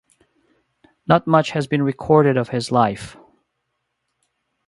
Not much has been recorded of his life.